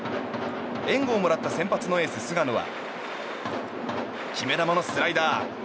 援護をもらった先発のエース菅野は決め球のスライダー。